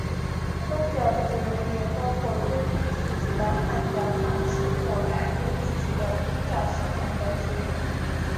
宗教自由也包括根据自己的判断放弃或改变自己的宗教信仰的自由。